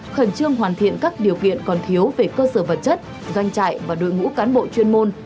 khẩn trương hoàn thiện các điều kiện còn thiếu về cơ sở vật chất doanh trại và đội ngũ cán bộ chuyên môn